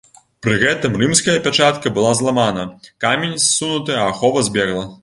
Пры гэтым рымская пячатка была зламана, камень ссунуты, а ахова збегла.